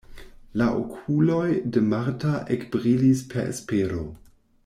La okuloj de Marta ekbrilis per espero.